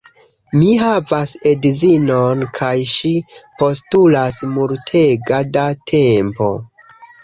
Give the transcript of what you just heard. Mi havas edzinon kaj ŝi postulas multega da tempo